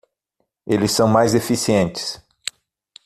Eles são mais eficientes